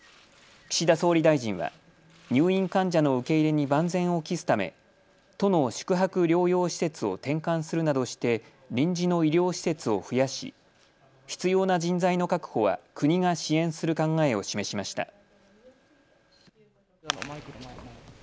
岸田総理大臣は入院患者の受け入れに万全を期すため都の宿泊療養施設を転換するなどして臨時の医療施設を増やし必要な人材の確保は国が支援する考えを示しました。